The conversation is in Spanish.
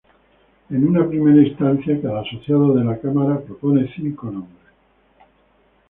En una primera instancia cada asociado de la Cámara propone cinco nombres.